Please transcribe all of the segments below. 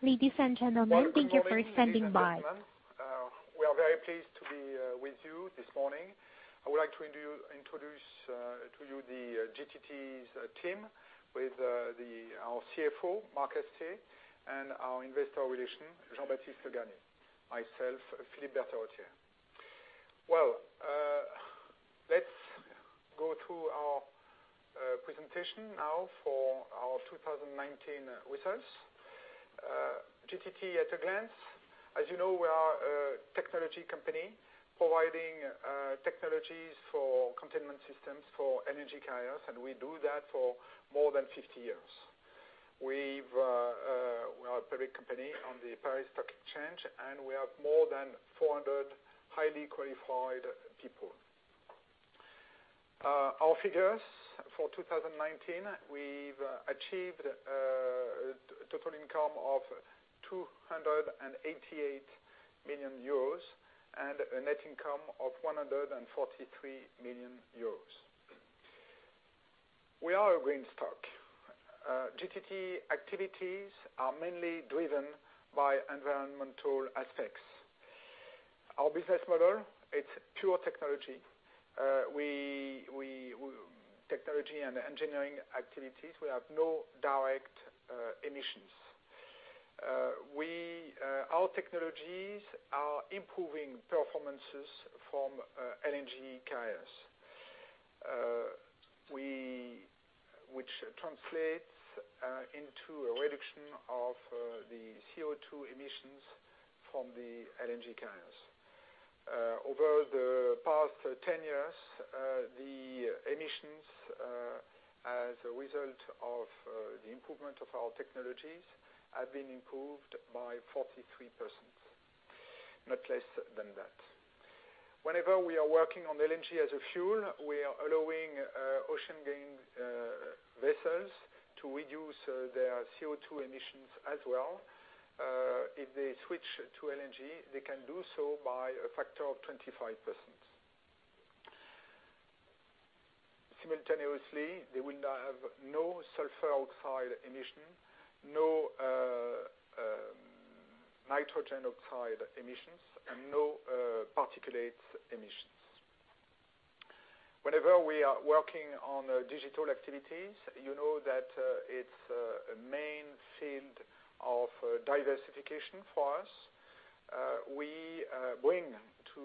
Ladies and gentlemen, thank you for standing by. We are very pleased to be with you this morning. I would like to introduce to you the GTT's team with our CFO, Marc Allaire, and our investor relations, Jean-Baptiste Bourlier. Myself, Philippe Berterottière. Well, let's go through our presentation now for our 2019 results. GTT at a glance, as you know, we are a technology company providing technologies for containment systems for energy carriers, and we do that for more than 50 years. We are a public company on the Paris Stock Exchange, and we have more than 400 highly qualified people. Our figures for 2019, we've achieved a total income of 288 million euros and a net income of 143 million euros. We are a green stock. GTT activities are mainly driven by environmental aspects. Our business model, it's pure technology. Technology and engineering activities, we have no direct emissions. Our technologies are improving performances from LNG carriers, which translates into a reduction of the CO2 emissions from the LNG carriers. Over the past 10 years, the emissions as a result of the improvement of our technologies have been improved by 43%, not less than that. Whenever we are working on LNG as a fuel, we are allowing ocean-going vessels to reduce their CO2 emissions as well. If they switch to LNG, they can do so by a factor of 25%. Simultaneously, they will have no sulfur oxide emission, no nitrogen oxide emissions, and no particulate emissions. Whenever we are working on digital activities, you know that it's a main field of diversification for us. We bring to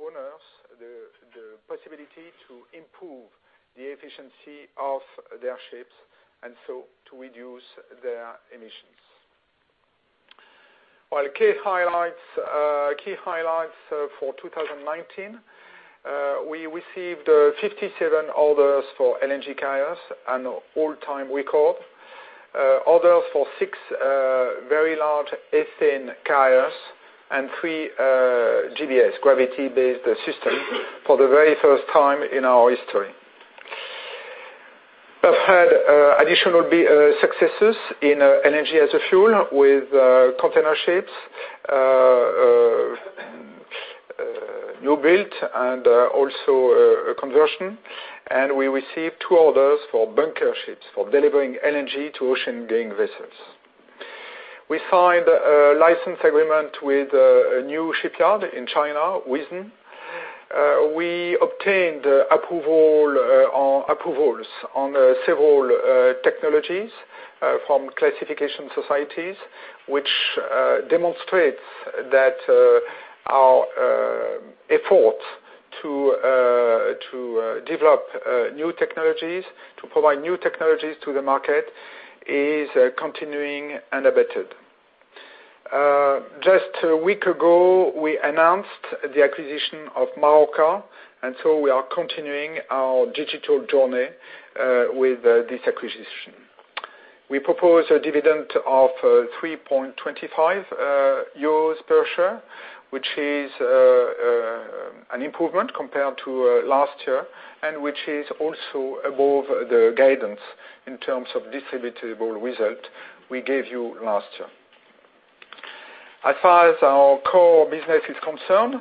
owners the possibility to improve the efficiency of their ships and so to reduce their emissions. Well, key highlights for 2019, we received 57 orders for LNG carriers, an all-time record. Orders for 6 very large ethane carriers and 3 GBS, gravity-based structures, for the very first time in our history. We've had additional successes in LNG as a fuel with container ships, new build, and also conversion. We received 2 orders for bunker ships for delivering LNG to ocean-going vessels. We signed a license agreement with a new shipyard in China, Wison. We obtained approvals on several technologies from classification societies, which demonstrates that our efforts to develop new technologies, to provide new technologies to the market, is continuing unabated. Just a week ago, we announced the acquisition of Marorka, and so we are continuing our digital journey with this acquisition. We propose a dividend of 3.25 euros per share, which is an improvement compared to last year and which is also above the guidance in terms of distributable result we gave you last year. As far as our core business is concerned,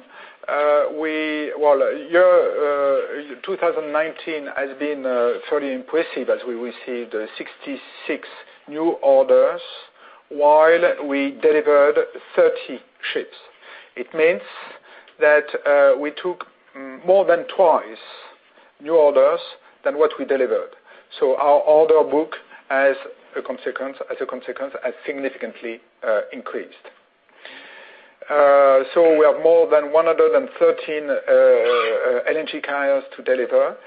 well, 2019 has been fairly impressive as we received 66 new orders while we delivered 30 ships. It means that we took more than twice new orders than what we delivered. Our order book as a consequence has significantly increased. We have more than 113 LNG carriers to deliver,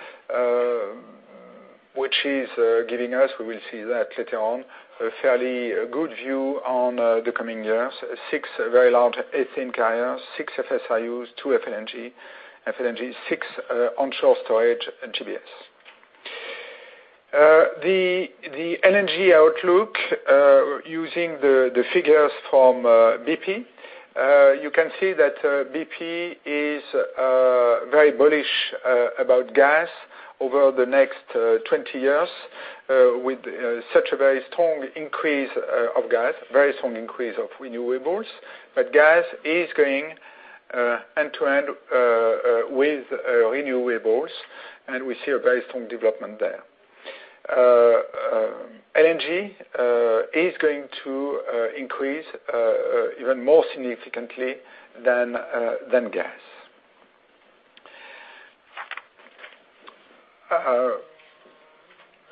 which is giving us, we will see that later on, a fairly good view on the coming years. 6 very large ethane carriers, 6 FSRUs, 2 FLNG, FLNG, 6 onshore storage GBS. The energy outlook using the figures from BP, you can see that BP is very bullish about gas over the next 20 years with such a very strong increase of gas, very strong increase of renewables. But gas is going end to end with renewables, and we see a very strong development there. LNG is going to increase even more significantly than gas.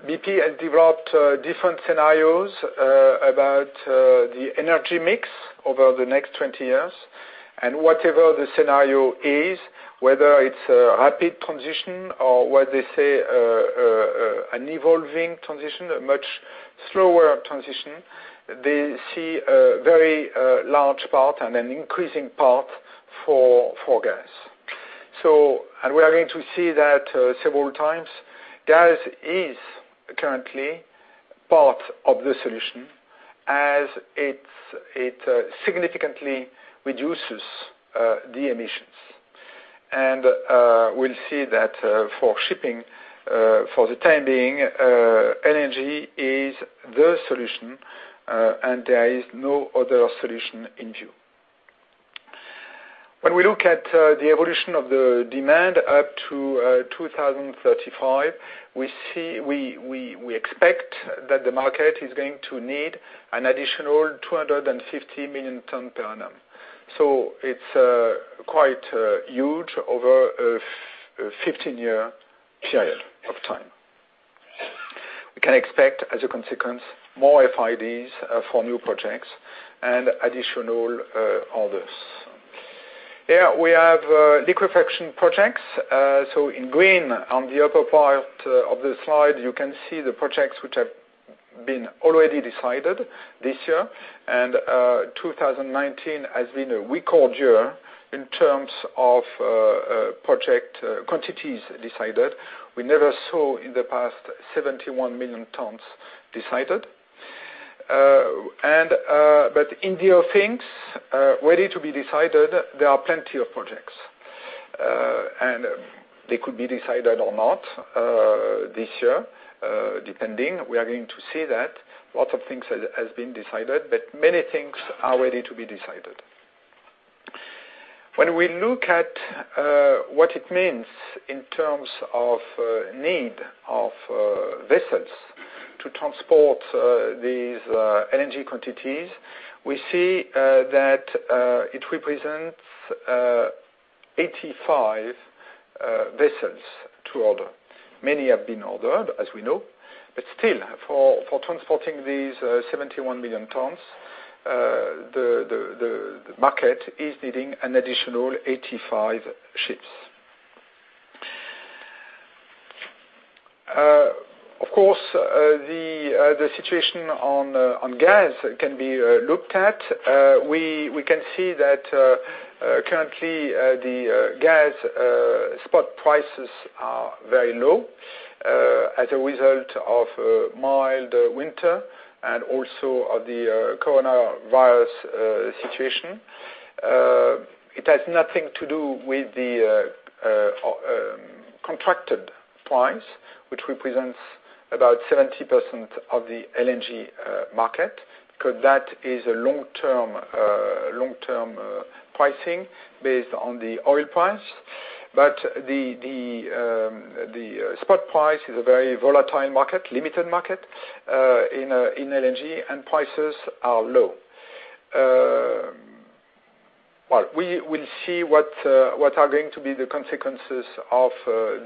BP has developed different scenarios about the energy mix over the next 20 years. Whatever the scenario is, whether it's a rapid transition or what they say an evolving transition, a much slower transition, they see a very large part and an increasing part for gas. We are going to see that several times. Gas is currently part of the solution as it significantly reduces the emissions. We'll see that for shipping, for the time being, LNG is the solution, and there is no other solution in view. When we look at the evolution of the demand up to 2035, we expect that the market is going to need an additional 250 million tonnes per annum. It's quite huge over a 15-year period of time. We can expect, as a consequence, more FIDs for new projects and additional orders. Here, we have liquefaction projects. So in green, on the upper part of the slide, you can see the projects which have been already decided this year. 2019 has been a record year in terms of project quantities decided. We never saw in the past 71 million tonnes decided. But in the offings, ready to be decided, there are plenty of projects. They could be decided or not this year, depending. We are going to see that. Lots of things have been decided, but many things are ready to be decided. When we look at what it means in terms of need of vessels to transport these energy quantities, we see that it represents 85 vessels to order. Many have been ordered, as we know. But still, for transporting these 71 million tonnes, the market is needing an additional 85 ships. Of course, the situation on gas can be looked at. We can see that currently the gas spot prices are very low as a result of a mild winter and also of the coronavirus situation. It has nothing to do with the contracted price, which represents about 70% of the LNG market because that is a long-term pricing based on the oil price. But the spot price is a very volatile market, limited market in LNG, and prices are low. Well, we will see what are going to be the consequences of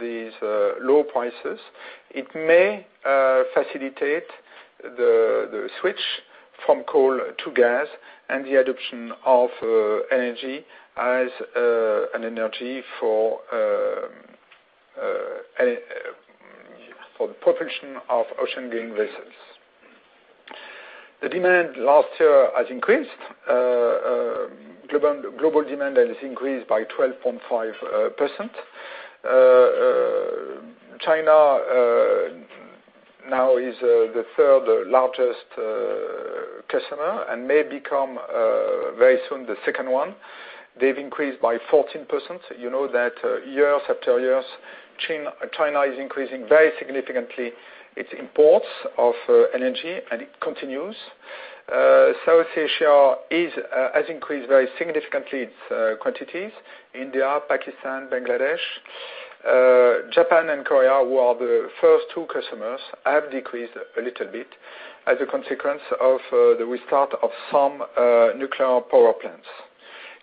these low prices. It may facilitate the switch from coal to gas and the adoption of LNG as a fuel for the propulsion of ocean-going vessels. The demand last year has increased. Global demand has increased by 12.5%. China now is the third largest customer and may become very soon the second one. They've increased by 14%. You know that year after year, China is increasing very significantly its imports of energy, and it continues. South Asia has increased very significantly its quantities. India, Pakistan, Bangladesh, Japan, and Korea, who are the first two customers, have decreased a little bit as a consequence of the restart of some nuclear power plants.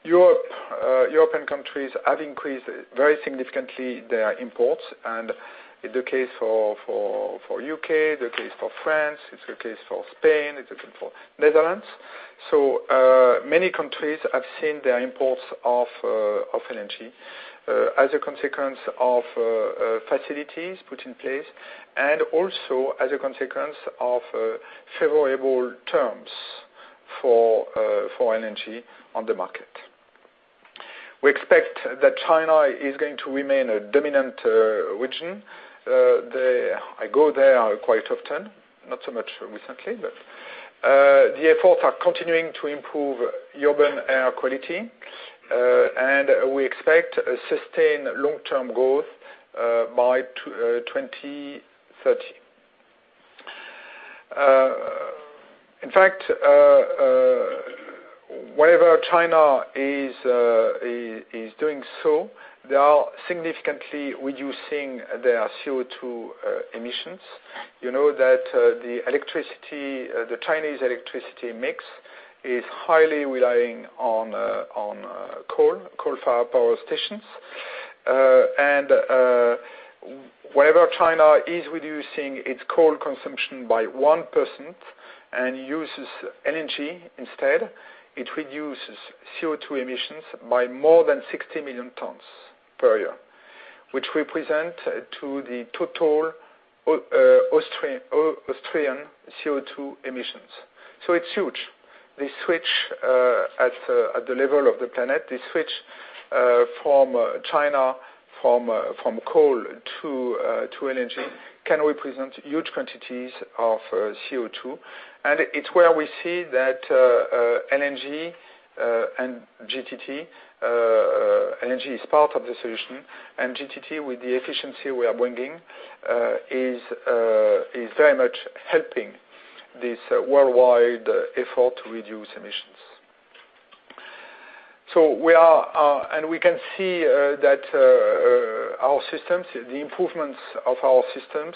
European countries have increased very significantly their imports. It's the case for the U.K., the case for France, it's the case for Spain, it's the case for the Netherlands. Many countries have seen their imports of energy as a consequence of facilities put in place and also as a consequence of favorable terms for energy on the market. We expect that China is going to remain a dominant region. I go there quite often, not so much recently, but the efforts are continuing to improve urban air quality, and we expect a sustained long-term growth by 2030. In fact, wherever China is doing so, they are significantly reducing their CO2 emissions. You know that the electricity, the Chinese electricity mix, is highly relying on coal, coal-fired power stations. And wherever China is reducing its coal consumption by 1% and uses energy instead, it reduces CO2 emissions by more than 60 million tons per year, which represents to the total Austrian CO2 emissions. So it's huge. The switch at the level of the planet, the switch from China from coal to energy can represent huge quantities of CO2. It's where we see that energy and GTT, energy is part of the solution, and GTT with the efficiency we are bringing is very much helping this worldwide effort to reduce emissions. We can see that our systems, the improvements of our systems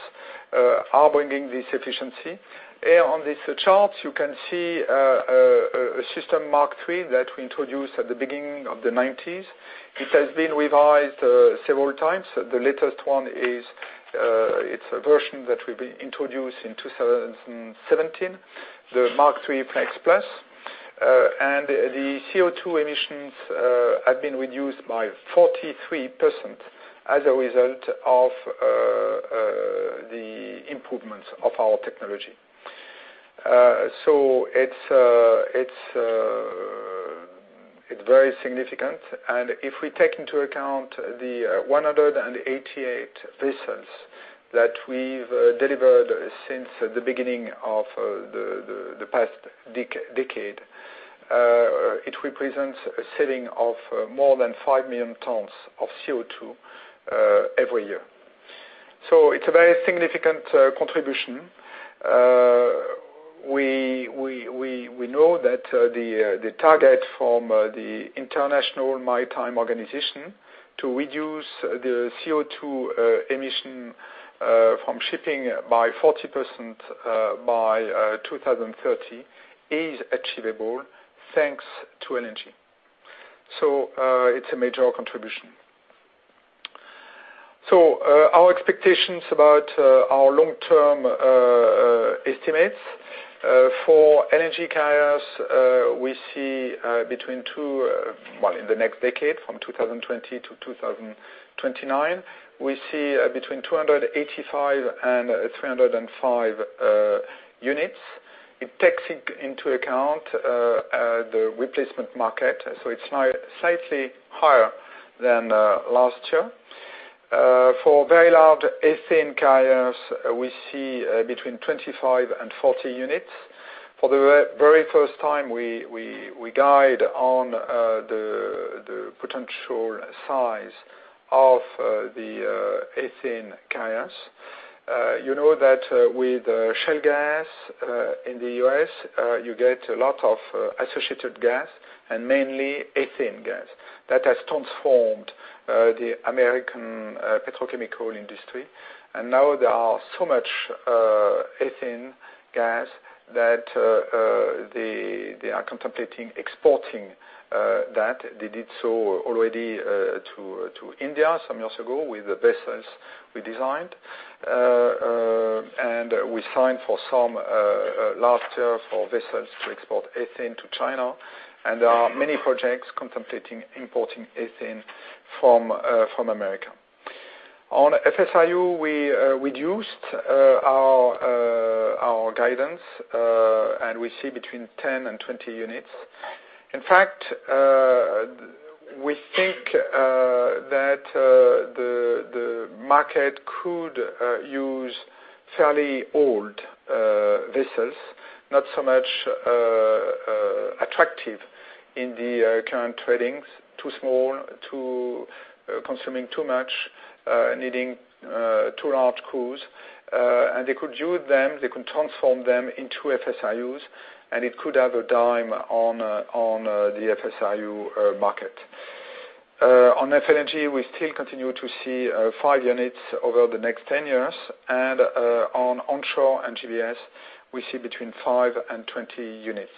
are bringing this efficiency. Here on this chart, you can see a system Mark III that we introduced at the beginning of the '90s. It has been revised several times. The latest one is its version that we introduced in 2017, the Mark III Flex+. The CO2 emissions have been reduced by 43% as a result of the improvements of our technology. So it's very significant. If we take into account the 188 vessels that we've delivered since the beginning of the past decade, it represents a saving of more than 5 million tons of CO2 every year. So it's a very significant contribution. We know that the target from the International Maritime Organization to reduce the CO₂ emissions from shipping by 40% by 2030 is achievable thanks to LNG. So it's a major contribution. So our expectations about our long-term estimates for LNG carriers, we see between 2, well, in the next decade, from 2020 to 2029, we see between 285 and 305 units. It takes into account the replacement market, so it's slightly higher than last year. For very large ethane carriers, we see between 25 and 40 units. For the very first time, we guide on the potential size of the ethane carriers. You know that with shale gas in the U.S., you get a lot of associated gas and mainly ethane gas. That has transformed the American petrochemical industry. And now there are so much ethane gas that they are contemplating exporting that. They did so already to India some years ago with the vessels we designed. We signed for some last year for vessels to export ethane to China. There are many projects contemplating importing ethane from America. On FSRU, we reduced our guidance, and we see between 10 and 20 units. In fact, we think that the market could use fairly old vessels, not so much attractive in the current tradings, too small, too consuming, too much, needing too large crews. They could use them. They could transform them into FSRUs, and it could have a dime on the FSRU market. On FLNG, we still continue to see 5 units over the next 10 years. On onshore and GBS, we see between 5 and 20 units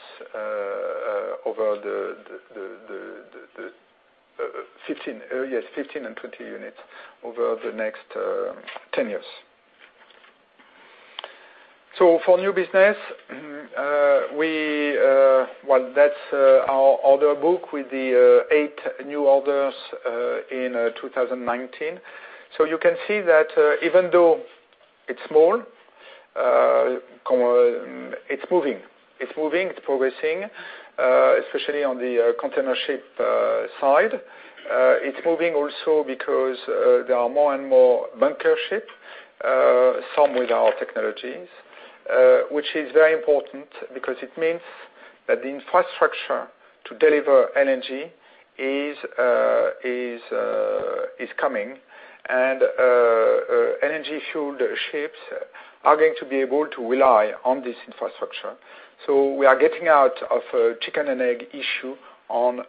over the 15, yes, 15 and 20 units over the next 10 years. So for new business, well, that's our order book with the 8 new orders in 2019. So you can see that even though it's small, it's moving. It's moving. It's progressing, especially on the container ship side. It's moving also because there are more and more bunker ships, some with our technologies, which is very important because it means that the infrastructure to deliver LNG is coming. And LNG-fueled ships are going to be able to rely on this infrastructure. So we are getting out of a chicken-and-egg issue on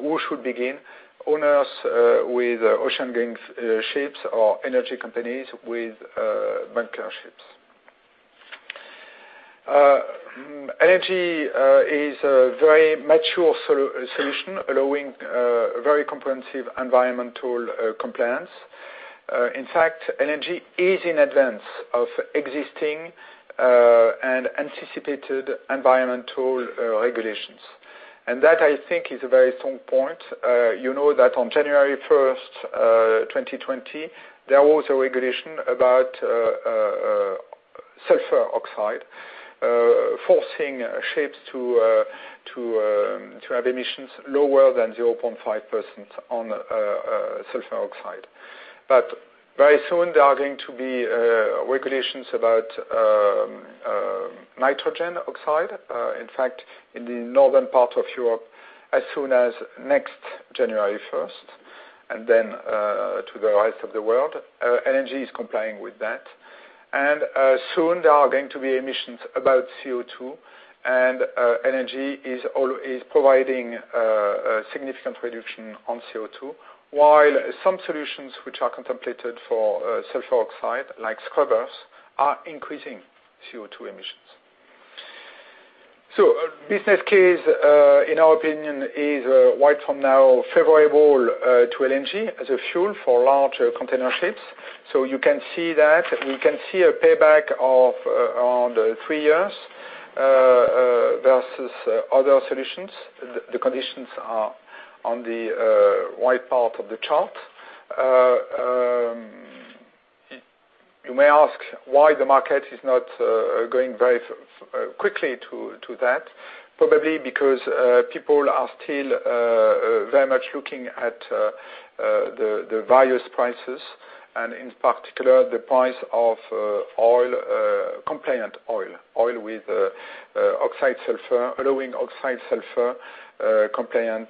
who should begin, owners with ocean-going ships or LNG companies with bunker ships. LNG is a very mature solution allowing very comprehensive environmental compliance. In fact, LNG is in advance of existing and anticipated environmental regulations. And that, I think, is a very strong point. You know that on January 1st, 2020, there was a regulation about sulfur oxide forcing ships to have emissions lower than 0.5% on sulfur oxide. But very soon, there are going to be regulations about nitrogen oxide. In fact, in the northern part of Europe, as soon as next January 1st, and then to the rest of the world, LNG is complying with that. And soon, there are going to be emissions about CO2, and LNG is providing a significant reduction on CO2, while some solutions which are contemplated for sulfur oxide, like scrubbers, are increasing CO2 emissions. So business case, in our opinion, is right from now favorable to LNG as a fuel for large container ships. So you can see that we can see a payback of around three years versus other solutions. The conditions are on the right part of the chart. You may ask why the market is not going very quickly to that. Probably because people are still very much looking at the various prices, and in particular, the price of oil, compliant oil, oil with sulfur oxide, allowing sulfur oxide compliant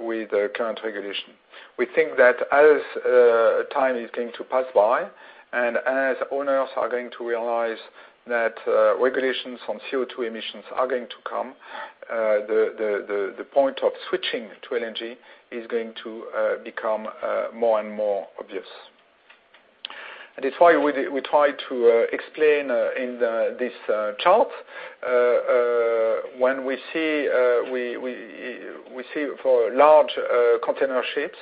with the current regulation. We think that as time is going to pass by and as owners are going to realize that regulations on CO2 emissions are going to come, the point of switching to LNG is going to become more and more obvious. And it's why we try to explain in this chart. When we see for large container ships,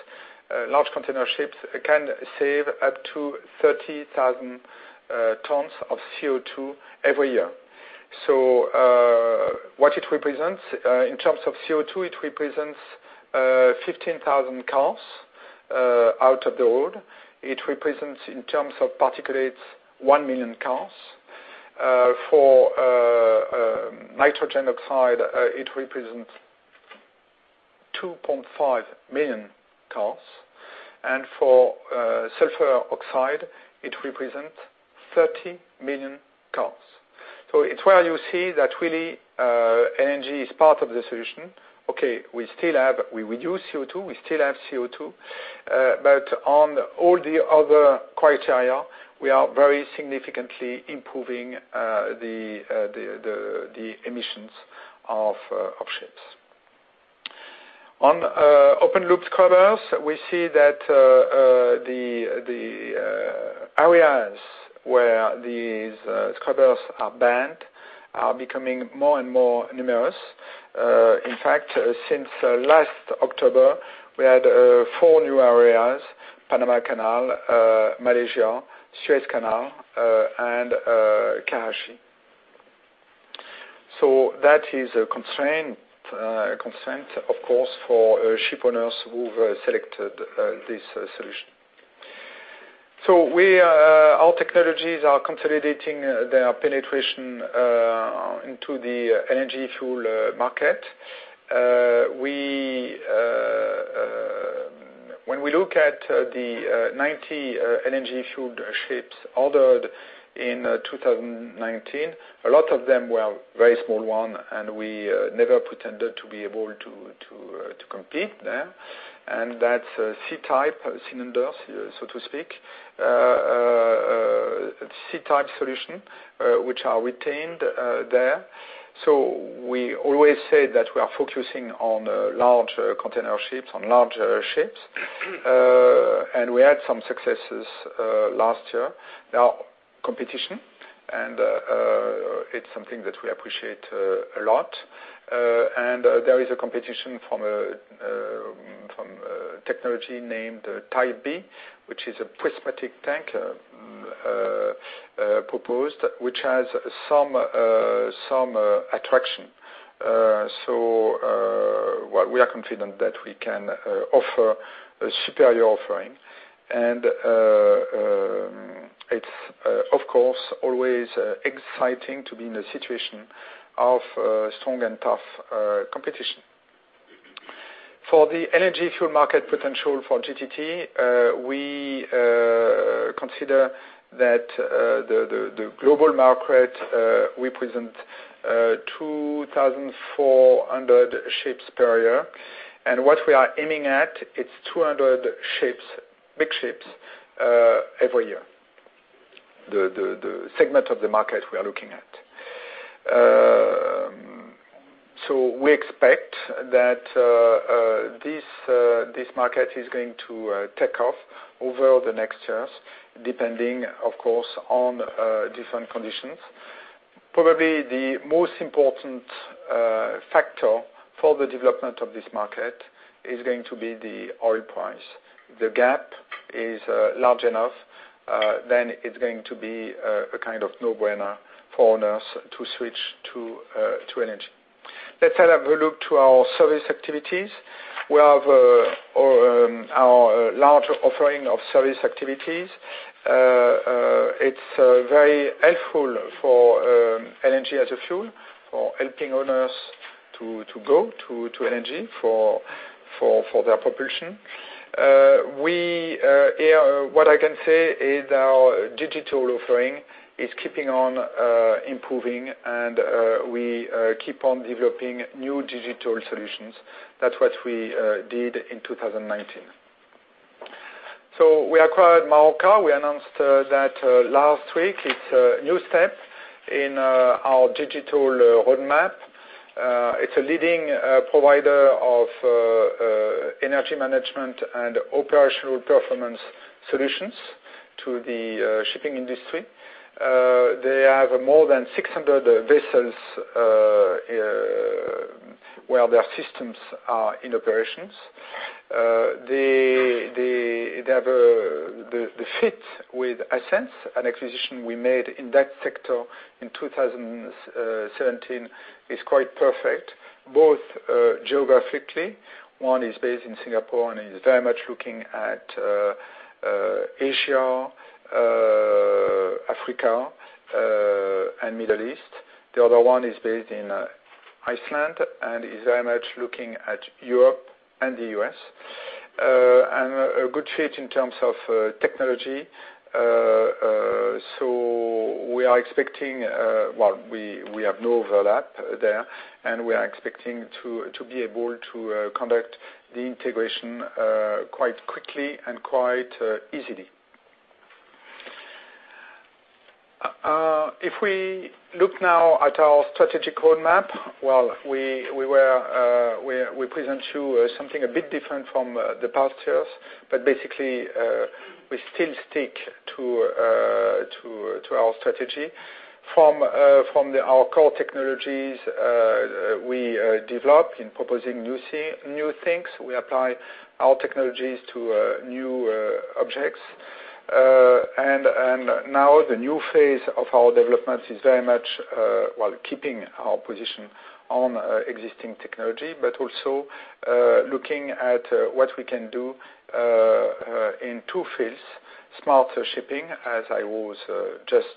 large container ships can save up to 30,000 tons of CO2 every year. So what it represents in terms of CO2, it represents 15,000 cars out of the world. It represents in terms of particulates 1,000,000 cars. For nitrogen oxide, it represents 2,500,000 cars. For sulfur oxide, it represents 30 million cars. So it's where you see that really LNG is part of the solution. Okay, we still have we reduce CO2. We still have CO2. But on all the other criteria, we are very significantly improving the emissions of ships. On open-loop scrubbers, we see that the areas where these scrubbers are banned are becoming more and more numerous. In fact, since last October, we had 4 new areas: Panama Canal, Malaysia, Suez Canal, and Karachi. So that is a constraint, of course, for ship owners who've selected this solution. So our technologies are consolidating their penetration into the LNG fuel market. When we look at the 90 LNG fuel ships ordered in 2019, a lot of them were very small ones, and we never pretended to be able to compete there. That's a C-type cylinder, so to speak, C-type solution, which are retained there. We always say that we are focusing on large container ships, on large ships. We had some successes last year. Now, competition, and it's something that we appreciate a lot. There is a competition from a technology named Type B, which is a prismatic tank proposed, which has some attraction. We are confident that we can offer a superior offering. It's, of course, always exciting to be in a situation of strong and tough competition. For the energy fuel market potential for GTT, we consider that the global market represents 2,400 ships per year. What we are aiming at, it's 200 ships, big ships every year, the segment of the market we are looking at. So we expect that this market is going to take off over the next years, depending, of course, on different conditions. Probably the most important factor for the development of this market is going to be the oil price. The gap is large enough, then it's going to be a kind of no-brainer for owners to switch to LNG. Let's have a look to our service activities. We have our large offering of service activities. It's very helpful for LNG as a fuel for helping owners to go to LNG for their propulsion. What I can say is our digital offering is keeping on improving, and we keep on developing new digital solutions. That's what we did in 2019. So we acquired Marorka. We announced that last week. It's a new step in our digital roadmap. It's a leading provider of energy management and operational performance solutions to the shipping industry. They have more than 600 vessels where their systems are in operations. The fit with Ascenz, an acquisition we made in that sector in 2017, is quite perfect, both geographically. One is based in Singapore, and it is very much looking at Asia, Africa, and the Middle East. The other one is based in Iceland and is very much looking at Europe and the U.S. And a good fit in terms of technology. So we are expecting well, we have no overlap there, and we are expecting to be able to conduct the integration quite quickly and quite easily. If we look now at our strategic roadmap, well, we present you something a bit different from the past years, but basically, we still stick to our strategy. From our core technologies, we develop in proposing new things. We apply our technologies to new objects. And now, the new phase of our development is very much while keeping our position on existing technology, but also looking at what we can do in two fields: smart shipping, as I was just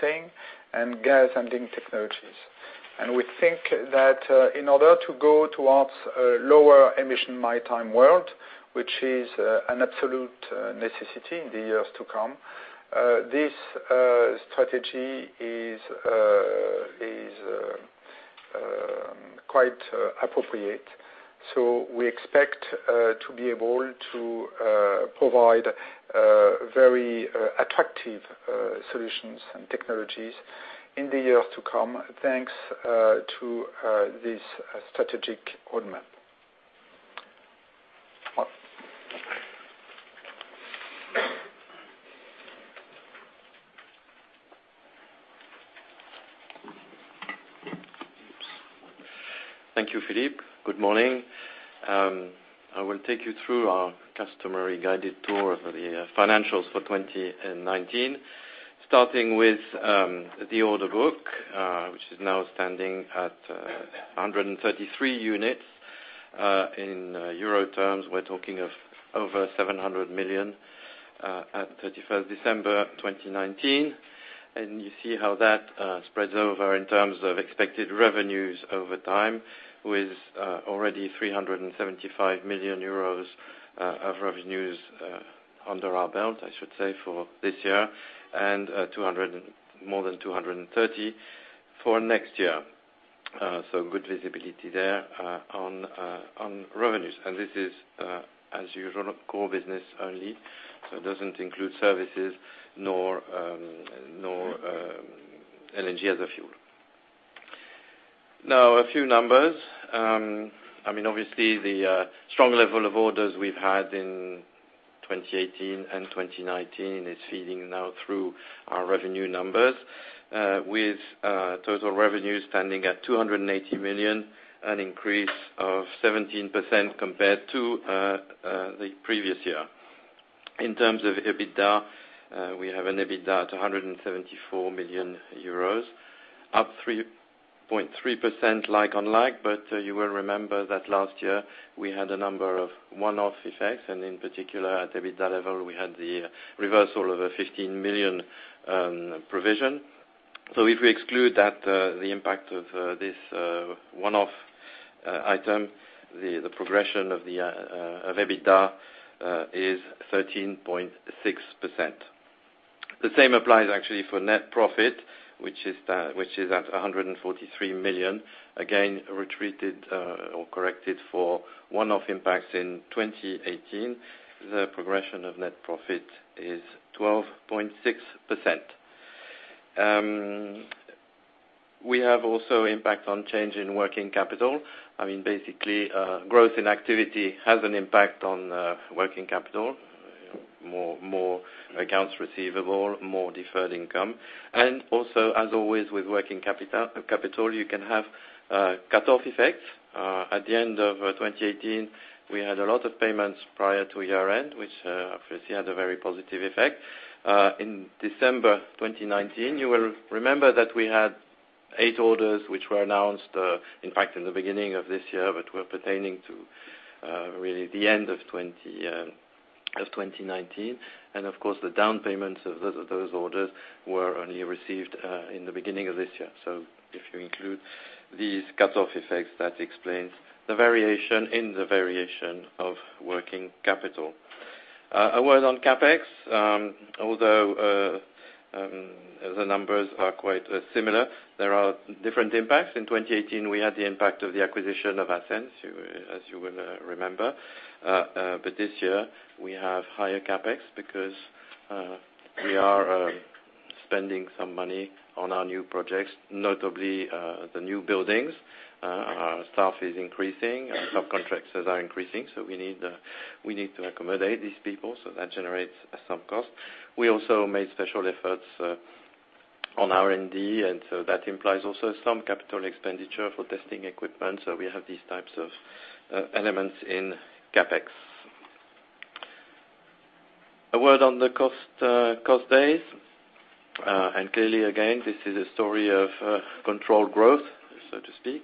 saying, and gas and LNG technologies. And we think that in order to go towards a lower-emission maritime world, which is an absolute necessity in the years to come, this strategy is quite appropriate. So we expect to be able to provide very attractive solutions and technologies in the years to come thanks to this strategic roadmap. Thank you, Philippe. Good morning. I will take you through our customer-guided tour of the financials for 2019, starting with the order book, which is now standing at 133 units. In euro terms, we're talking of over 700 million at 31st December 2019. You see how that spreads over in terms of expected revenues over time, with already 375 million euros of revenues under our belt, I should say, for this year, and more than 230 million for next year. Good visibility there on revenues. This is, as usual, core business only. It doesn't include services nor energy as a fuel. Now, a few numbers. I mean, obviously, the strong level of orders we've had in 2018 and 2019 is feeding now through our revenue numbers, with total revenues standing at 280 million, an increase of 17% compared to the previous year. In terms of EBITDA, we have an EBITDA at 174 million euros, up 3.3% like on like. But you will remember that last year, we had a number of one-off effects. In particular, at EBITDA level, we had the reversal of a 15 million provision. So if we exclude the impact of this one-off item, the progression of EBITDA is 13.6%. The same applies, actually, for net profit, which is at 143 million, again retreated or corrected for one-off impacts in 2018. The progression of net profit is 12.6%. We have also impact on change in working capital. I mean, basically, growth in activity has an impact on working capital, more accounts receivable, more deferred income. And also, as always, with working capital, you can have cut-off effects. At the end of 2018, we had a lot of payments prior to year-end, which obviously had a very positive effect. In December 2019, you will remember that we had 8 orders which were announced, in fact, in the beginning of this year, but were pertaining to really the end of 2019. Of course, the down payments of those orders were only received in the beginning of this year. So if you include these cut-off effects, that explains the variation in the variation of working capital. A word on CapEx. Although the numbers are quite similar, there are different impacts. In 2018, we had the impact of the acquisition of Ascenz, as you will remember. But this year, we have higher CapEx because we are spending some money on our new projects, notably the new buildings. Our staff is increasing, and subcontractors are increasing. So we need to accommodate these people. So that generates some cost. We also made special efforts on R&D, and so that implies also some capital expenditure for testing equipment. So we have these types of elements in CapEx. A word on the cost days. Clearly, again, this is a story of controlled growth, so to speak.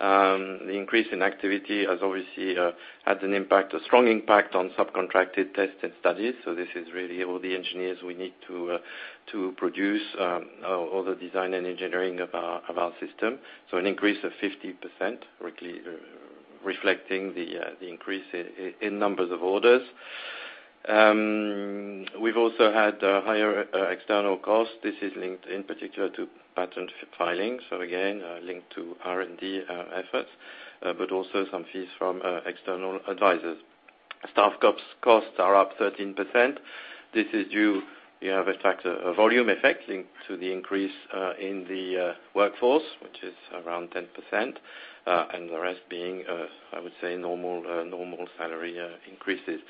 The increase in activity has obviously had a strong impact on subcontracted tests and studies. So this is really all the engineers we need to produce or the design and engineering of our system. So an increase of 50%, reflecting the increase in numbers of orders. We've also had higher external costs. This is linked in particular to patent filings. So again, linked to R&D efforts, but also some fees from external advisors. Staff costs are up 13%. This is due, in fact, to a volume effect linked to the increase in the workforce, which is around 10%, and the rest being, I would say, normal salary increases.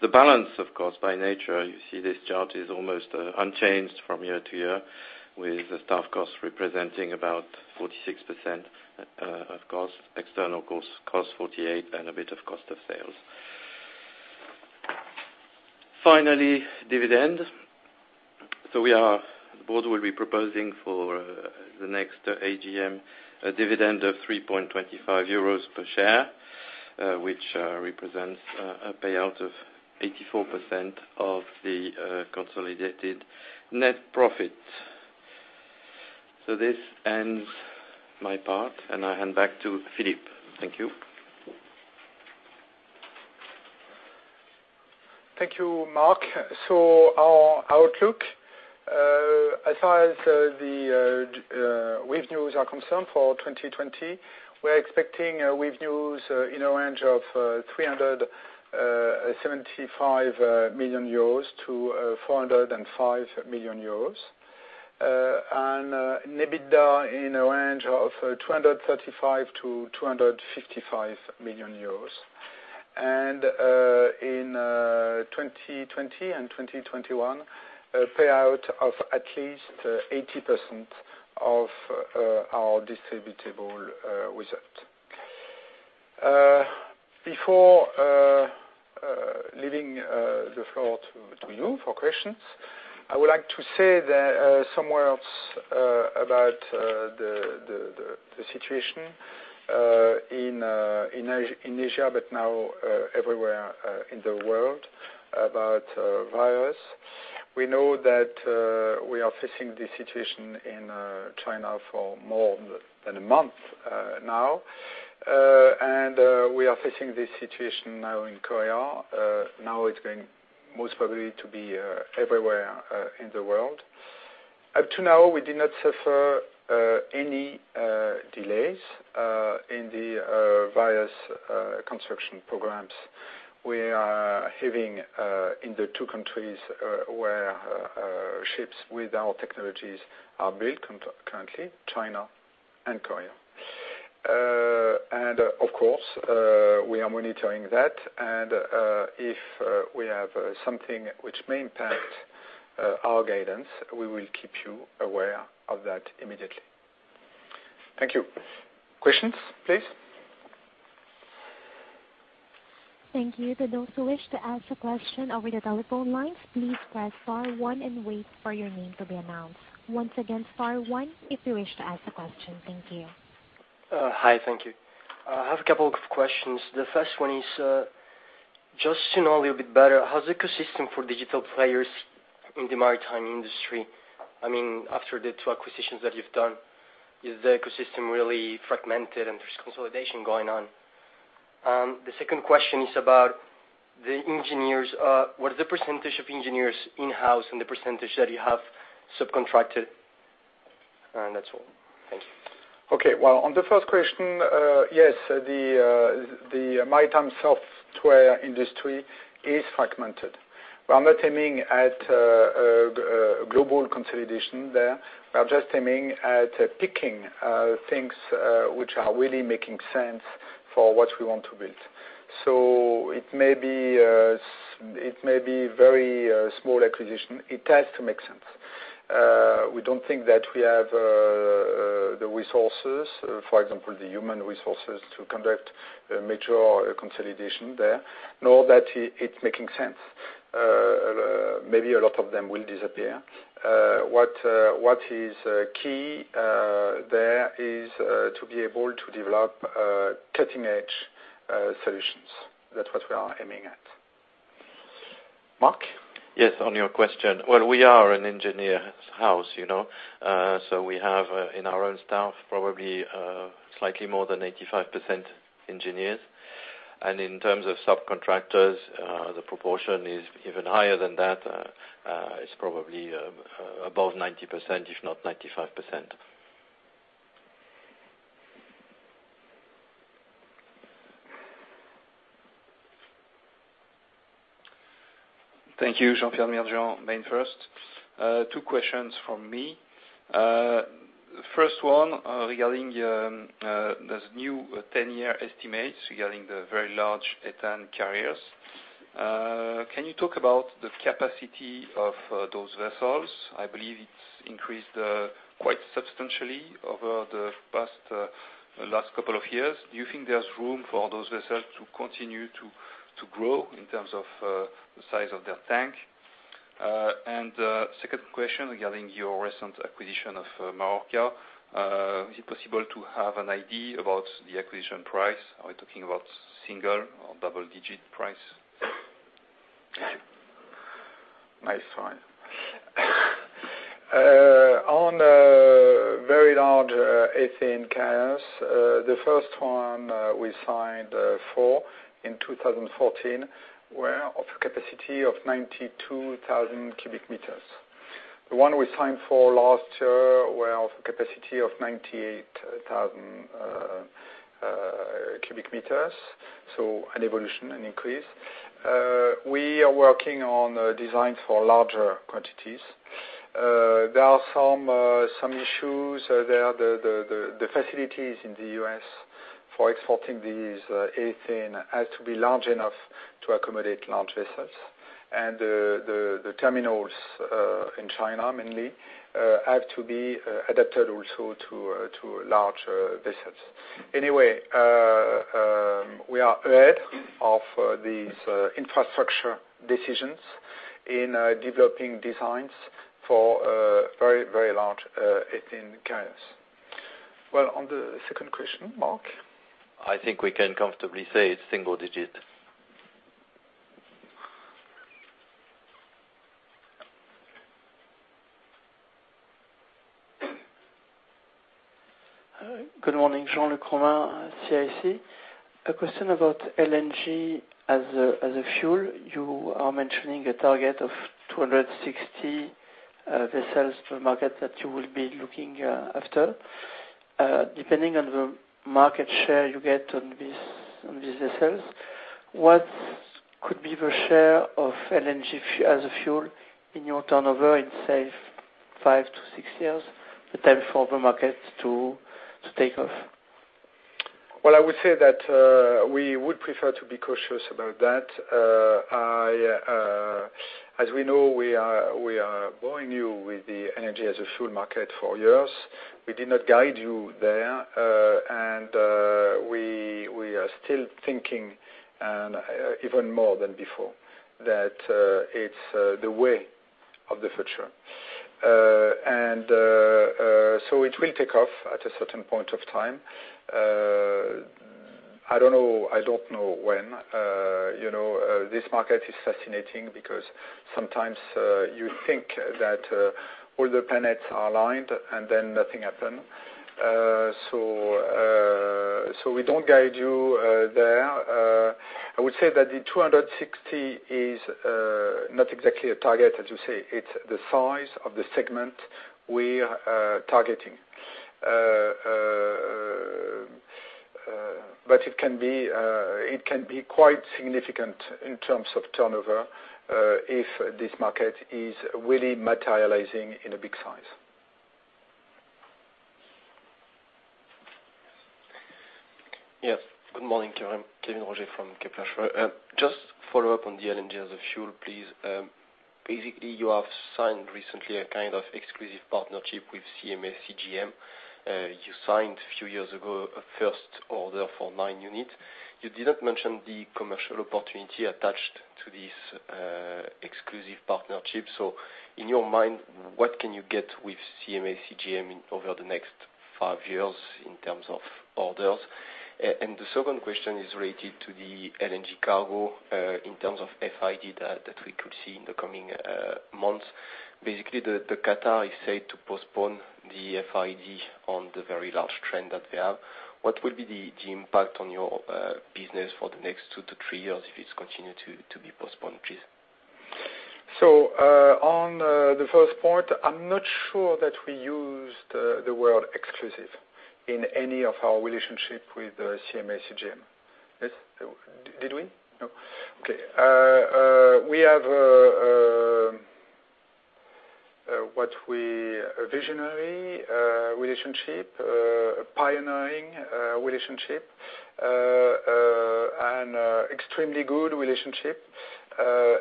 The balance, of course, by nature, you see this chart is almost unchanged from year to year, with staff costs representing about 46% of costs, external costs 48%, and a bit of cost of sales. Finally, dividend. So the board will be proposing for the next AGM a dividend of 3.25 euros per share, which represents a payout of 84% of the consolidated net profit. So this ends my part, and I hand back to Philippe. Thank you. Thank you, Mark. So our outlook, as far as the revenues are concerned for 2020, we're expecting revenues in the range of 375 million-405 million euros, and EBITDA in the range of 235 million-255 million euros. And in 2020 and 2021, a payout of at least 80% of our distributable result. Before leaving the floor to you for questions, I would like to say some words about the situation in Asia, but now everywhere in the world about virus. We know that we are facing this situation in China for more than a month now. We are facing this situation now in Korea. Now it's going most probably to be everywhere in the world. Up to now, we did not suffer any delays in the various construction programs. We are having in the two countries where ships with our technologies are built currently, China and Korea. Of course, we are monitoring that. If we have something which may impact our guidance, we will keep you aware of that immediately. Thank you. Questions, please. Thank you. For those who wish to ask a question over the telephone lines, please press star one and wait for your name to be announced. Once again, star one if you wish to ask a question. Thank you. Hi. Thank you. I have a couple of questions. The first one is just to know a little bit better, how's the ecosystem for digital players in the maritime industry? I mean, after the two acquisitions that you've done, is the ecosystem really fragmented and there's consolidation going on? The second question is about the engineers. What's the percentage of engineers in-house and the percentage that you have subcontracted? And that's all. Thank you. Okay. Well, on the first question, yes, the maritime software industry is fragmented. We are not aiming at global consolidation there. We are just aiming at picking things which are really making sense for what we want to build. So it may be very small acquisition. It has to make sense. We don't think that we have the resources, for example, the human resources to conduct a major consolidation there, nor that it's making sense. Maybe a lot of them will disappear. What is key there is to be able to develop cutting-edge solutions. That's what we are aiming at. Marc? Yes, on your question. Well, we are an engineer's house. So we have in our own staff probably slightly more than 85% engineers. And in terms of subcontractors, the proportion is even higher than that. It's probably above 90%, if not 95%. Thank you. Jean-Pierre Merdia, MainFirst. Two questions from me. First one regarding those new 10-year estimates regarding the very large ethane carriers. Can you talk about the capacity of those vessels? I believe it's increased quite substantially over the last couple of years. Do you think there's room for those vessels to continue to grow in terms of the size of their tank? And second question regarding your recent acquisition of Marorka. Is it possible to have an idea about the acquisition price? Are we talking about single or double-digit price? Thank you. Nice one. On very large ethane carriers, the first one we signed for in 2014 were of a capacity of 92,000 cubic meters. The one we signed for last year were of a capacity of 98,000 cubic meters. So an evolution, an increase. We are working on designs for larger quantities. There are some issues there. The facilities in the U.S. for exporting these ethane have to be large enough to accommodate large vessels. And the terminals in China, mainly, have to be adapted also to large vessels. Anyway, we are ahead of these infrastructure decisions in developing designs for very, very large ethane carriers. Well, on the second question, Mark? I think we can comfortably say it's single-digit. Good morning. Jean-Luc Romain, CIC. A question about LNG as a fuel. You are mentioning a target of 260 vessels per market that you will be looking after. Depending on the market share you get on these vessels, what could be the share of LNG as a fuel in your turnover in, say, five to six years, the time for the market to take off? Well, I would say that we would prefer to be cautious about that. As we know, we are bombarding you with the LNG as a fuel market for years. We did not guide you there. And we are still thinking, and even more than before, that it's the way of the future. So it will take off at a certain point of time. I don't know. I don't know when. This market is fascinating because sometimes you think that all the planets are aligned and then nothing happens. So we don't guide you there. I would say that the 260 is not exactly a target, as you say. It's the size of the segment we are targeting. But it can be quite significant in terms of turnover if this market is really materializing in a big size. Yes. Good morning. Kevin Roger from Kepler Cheuvreux. Just follow up on the LNG as a fuel, please. Basically, you have signed recently a kind of exclusive partnership with CMA CGM. You signed a few years ago a first order for 9 units. You didn't mention the commercial opportunity attached to this exclusive partnership. So in your mind, what can you get with CMA CGM over the next five years in terms of orders? And the second question is related to the LNG cargo in terms of FID that we could see in the coming months. Basically, Qatar is said to postpone the FID on the very large train that they have. What will be the impact on your business for the next two to three years if it's continued to be postponed, please? So on the first point, I'm not sure that we used the word exclusive In any of our relationship with CMA CGM. Yes? Did we? No? Okay. We have a visionary relationship, a pioneering relationship, an extremely good relationship.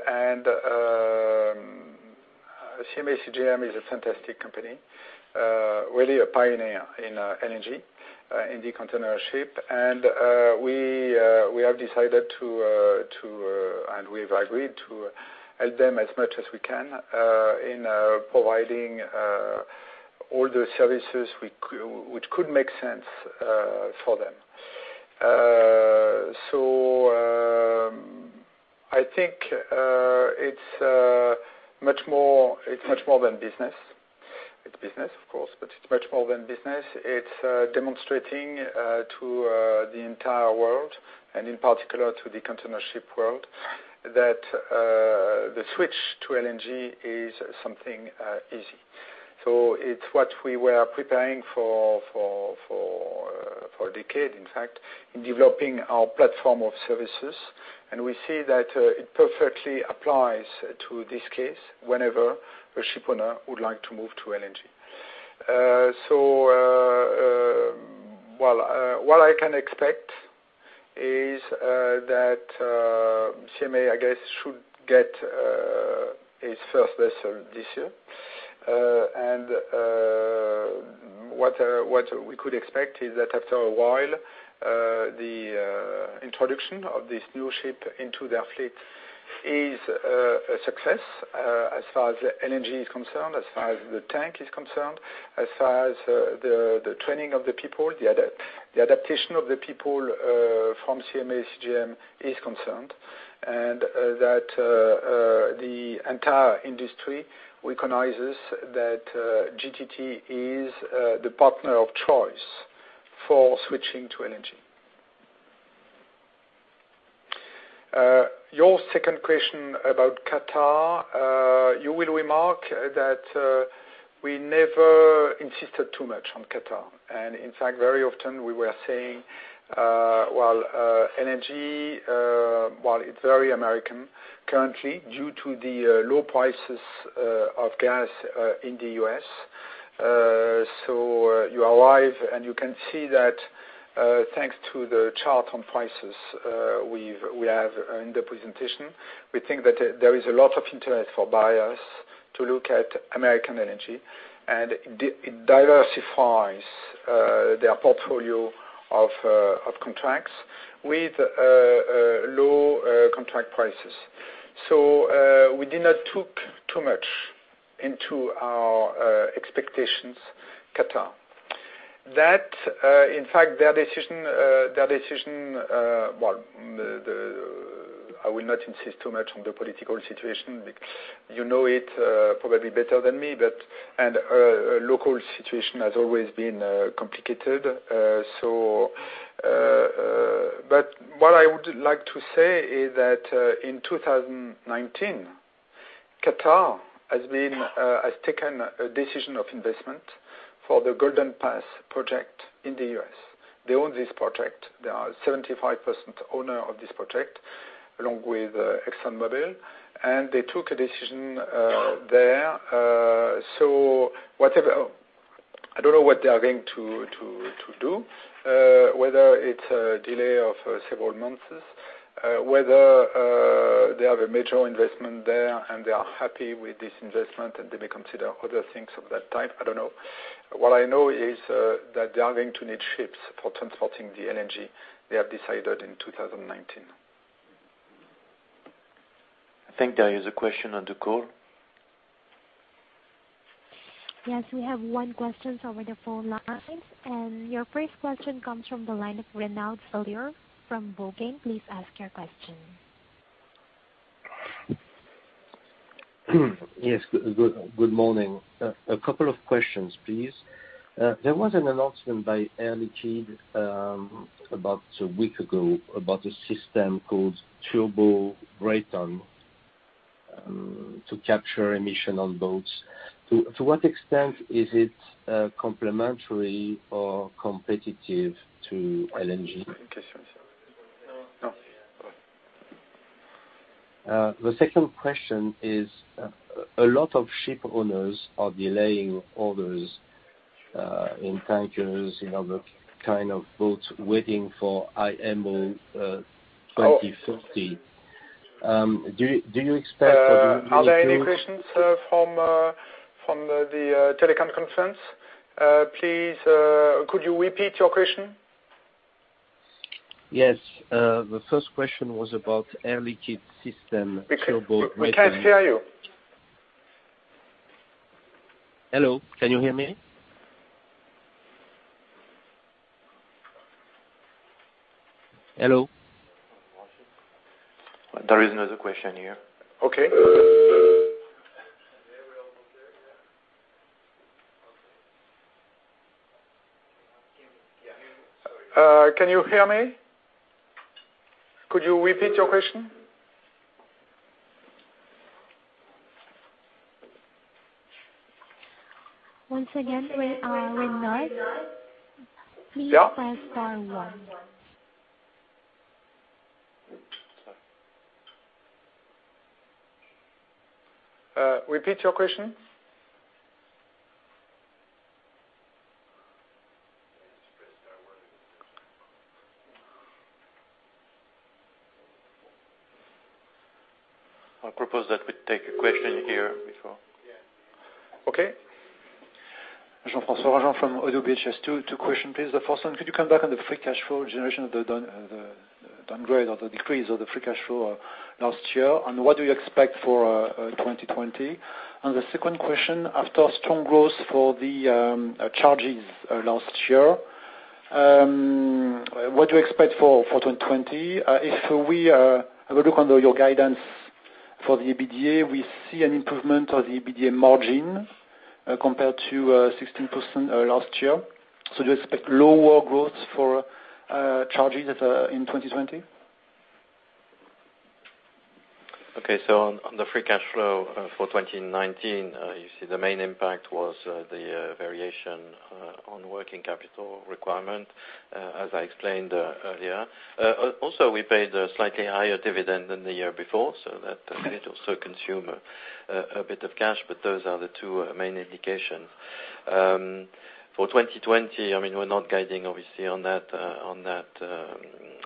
And CMA CGM is a fantastic company, really a pioneer in LNG, in the container ship. We have decided to, and we've agreed to help them as much as we can in providing all the services which could make sense for them. So I think it's much more than business. It's business, of course, but it's much more than business. It's demonstrating to the entire world, and in particular to the container ship world, that the switch to LNG is something easy. So it's what we were preparing for a decade, in fact, in developing our platform of services. And we see that it perfectly applies to this case whenever a shipowner would like to move to LNG. So what I can expect is that CMA, I guess, should get its first vessel this year. What we could expect is that after a while, the introduction of this new ship into their fleet is a success as far as the LNG is concerned, as far as the tank is concerned, as far as the training of the people, the adaptation of the people from CMA CGM is concerned, and that the entire industry recognizes that GTT is the partner of choice for switching to LNG. Your second question about Qatar, you will remark that we never insisted too much on Qatar. In fact, very often, we were saying, "Well, LNG, well, it's very American currently due to the low prices of gas in the U.S." So you arrive, and you can see that thanks to the chart on prices we have in the presentation, we think that there is a lot of interest for buyers to look at American LNG, and it diversifies their portfolio of contracts with low contract prices. So we did not talk too much into our expectations Qatar. That, in fact, their decision, well, I will not insist too much on the political situation. You know it probably better than me. And local situation has always been complicated. But what I would like to say is that in 2019, Qatar has taken a decision of investment for the Golden Pass project in the U.S. They own this project. They are 75% owner of this project along with ExxonMobil. They took a decision there. So I don't know what they are going to do, whether it's a delay of several months, whether they have a major investment there, and they are happy with this investment, and they may consider other things of that type. I don't know. What I know is that they are going to need ships for transporting the LNG. They have decided in 2019. I think there is a question on the call. Yes. We have one question over the phone line. Your first question comes from the line of Renaud Ferlier from Bougain. Please ask your question. Yes. Good morning. A couple of questions, please. There was an announcement by Air Liquide about a week ago about a system called Turbo-Brayton to capture emissions on boats. To what extent is it complementary or competitive to LNG? The second question is, a lot of shipowners are delaying orders in tankers, in other kinds of boats waiting for IMO 2050. Do you expect or do you see? Are there any questions from the telecom conference? Please, could you repeat your question? Yes. The first question was about Air Liquide system Turbo-Brayton. We can't hear you. Hello. Can you hear me? Hello? There is another question here. Okay. Can you hear me? Could you repeat your question? Once again, Renaud. Please press star one. Repeat your question. I propose that we take a question here before. Okay. Jean-François Granjon from Oddo BHF. Two questions, please. The first one, could you come back on the free cash flow generation of the downgrade or the decrease of the free cash flow last year? And what do you expect for 2020? The second question, after strong growth for the orders last year, what do you expect for 2020? If we have a look under your guidance for the EBITDA, we see an improvement of the EBITDA margin compared to 16% last year. So do you expect lower growth for orders in 2020? Okay. So on the free cash flow for 2019, you see the main impact was the variation on working capital requirement, as I explained earlier. Also, we paid a slightly higher dividend than the year before, so that did also consume a bit of cash. But those are the two main indications. For 2020, I mean, we're not guiding, obviously, on that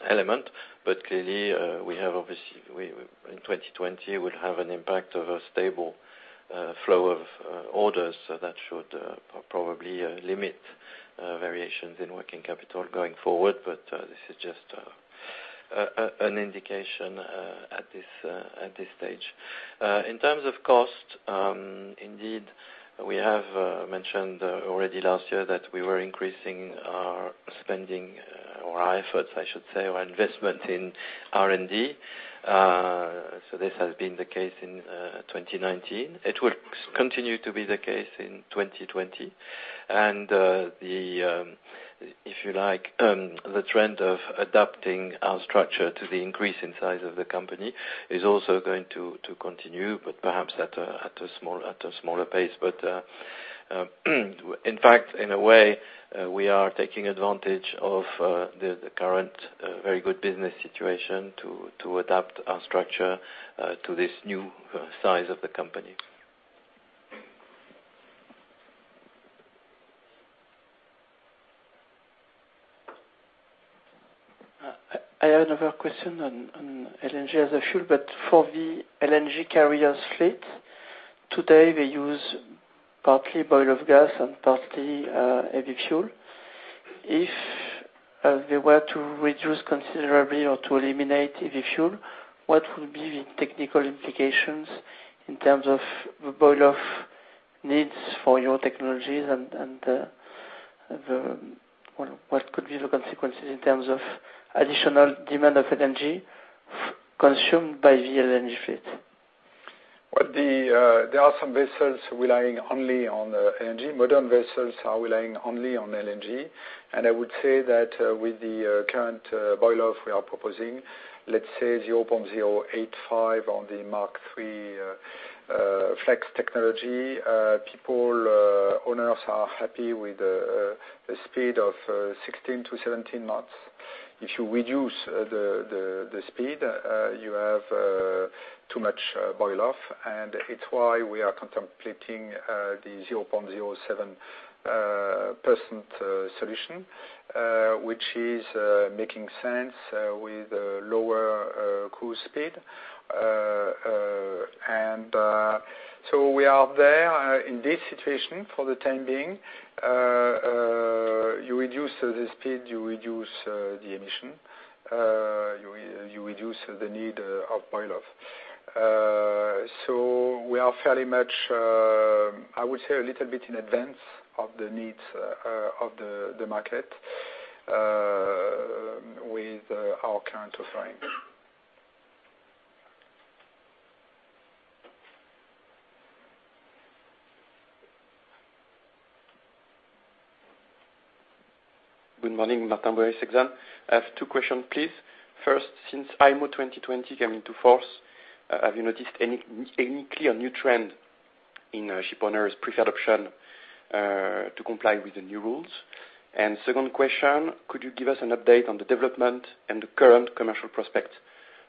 element. But clearly, we have, obviously, in 2020, we'll have an impact of a stable flow of orders. So that should probably limit variations in working capital going forward. But this is just an indication at this stage. In terms of cost, indeed, we have mentioned already last year that we were increasing our spending, or our efforts, I should say, or investment in R&D. So this has been the case in 2019. It will continue to be the case in 2020. And if you like, the trend of adapting our structure to the increase in size of the company is also going to continue, but perhaps at a smaller pace. But in fact, in a way, we are taking advantage of the current very good business situation to adapt our structure to this new size of the company. I have another question on LNG as a fuel. But for the LNG carriers' fleet, today, they use partly boil-off gas and partly heavy fuel. If they were to reduce considerably or to eliminate heavy fuel, what would be the technical implications in terms of the boil-off needs for your technologies? And what could be the consequences in terms of additional demand of energy consumed by the LNG fleet? There are some vessels relying only on LNG. Modern vessels are relying only on LNG. And I would say that with the current boil-off we are proposing, let's say 0.085% on the Mark III Flex technology, people, owners are happy with the speed of 16-17 knots. If you reduce the speed, you have too much boil-off. And it's why we are contemplating the 0.07% solution, which is making sense with lower cruise speed. And so we are there in this situation for the time being. You reduce the speed, you reduce the emission, you reduce the need of boil-off. So we are fairly much, I would say, a little bit in advance of the needs of the market with our current offering. Good morning, Martin Verron. I have two questions, please. First, since IMO 2020 came into force, have you noticed any clear new trend in shipowners' preferred option to comply with the new rules? And second question, could you give us an update on the development and the current commercial prospect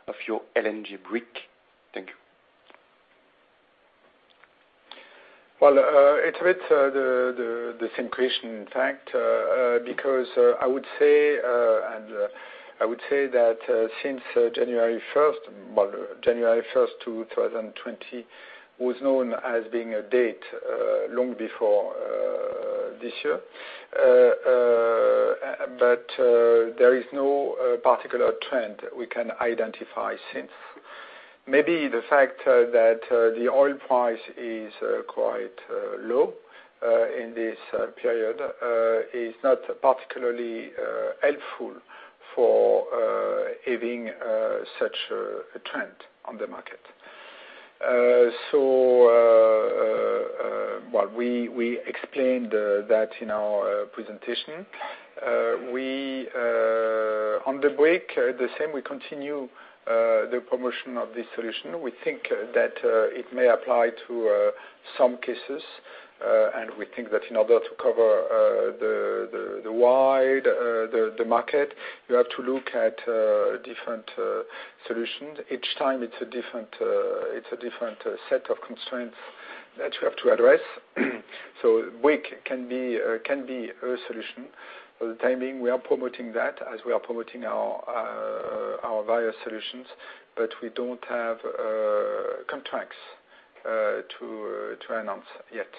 of your LNG Brick? Thank you. Well, it's a bit the same question, in fact, because I would say, and I would say that since January 1st, well, January 1st 2020 was known as being a date long before this year. But there is no particular trend we can identify since. Maybe the fact that the oil price is quite low in this period is not particularly helpful for having such a trend on the market. So while we explained that in our presentation, on the Brick, the same, we continue the promotion of this solution. We think that it may apply to some cases. And we think that in order to cover the market, you have to look at different solutions. Each time, it's a different set of constraints that you have to address. So Brick can be a solution. For the time being, we are promoting that as we are promoting our various solutions, but we don't have contracts to announce yet.